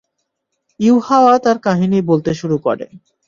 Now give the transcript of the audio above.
ইউহাওয়া তার কাহিনী বলতে শুরু করে।